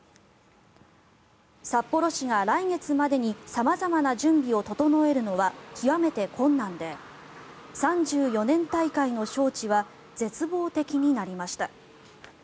札幌市が来月までに様々な準備を整えるのは極めて困難で３４年大会の招致は絶望的になりました。